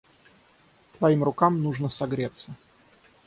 Твоим рукам нужно согреться.